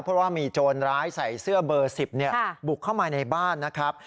เพราะว่ามีโจรร้ายใส่เสื้อเบอร์๑๐บุกเข้ามาในบ้านนะครับ